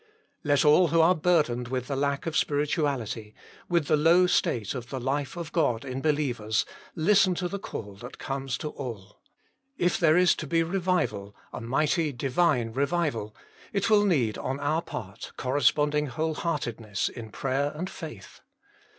Let all who are burdened with the lack of spirituality, with the low state of the life of God in believers, listen to the call that comes to all. If there is to be revival, a mighty, Divine revival, it will need, on our part, corresponding whoie hearted ness in prayer and faith.